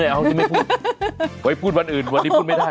เอาที่ไม่พูดไว้พูดวันอื่นวันนี้พูดไม่ได้